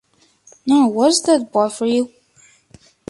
Nor was that bought for you.